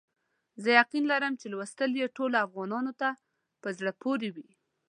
زه یقین لرم چې لوستل یې ټولو افغانانو ته په زړه پوري وي.